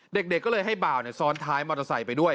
เด็กก็เลยให้บ่าวซ้อนท้ายมอเตอร์ไซค์ไปด้วย